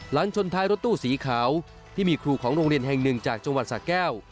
ชนท้ายรถตู้สีขาวที่มีครูของโรงเรียนแห่งหนึ่งจากจังหวัดสะแก้ว